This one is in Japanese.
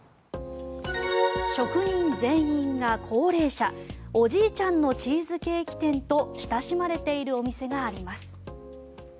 職人全員が高齢者おじいちゃんのチーズケーキ店と親しまれているお店があります。